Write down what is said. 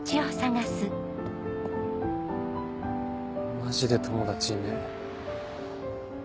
マジで友達いねえ。